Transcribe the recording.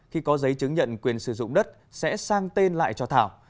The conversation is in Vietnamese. khi có giấy chứng nhận quyền sử dụng đất sẽ sang tên lại cho thảo